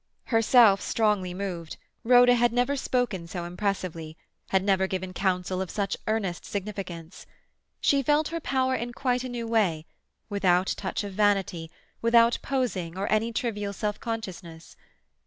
Herself strongly moved, Rhoda had never spoken so impressively, had never given counsel of such earnest significance. She felt her power in quite a new way, without touch of vanity, without posing or any trivial self consciousness.